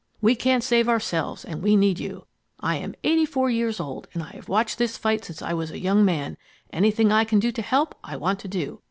We can't save ourselves and we need you .... I am 84 years old, and I have watched this fight since I was a young man. Anything I can do to help, I want to do.